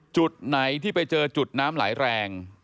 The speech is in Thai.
จุดไหนที่ไปเจอจุดน้ำไหลแรง